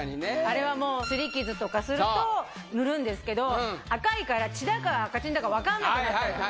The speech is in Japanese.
あれはすり傷とかすると塗るんですけど赤いから血だか赤チンだか分かんなくなったりとかして。